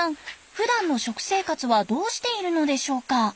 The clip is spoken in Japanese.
ふだんの食生活はどうしているのでしょうか？